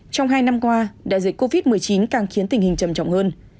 trong hai năm qua đại dịch covid một mươi chín càng khiến tình hình trầm trọng hơn